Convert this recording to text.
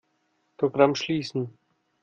Programm schließen.